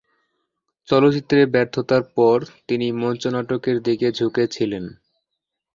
চলচ্চিত্রে ব্যর্থতার পর তিনি মঞ্চ নাটকের দিকে ঝুঁকে ছিলেন।